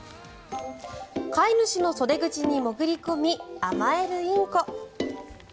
飼い主の袖口に潜り込み甘えるインコ。